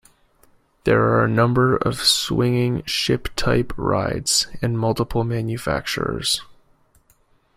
There are a number of Swinging Ship-type rides, and multiple manufacturers.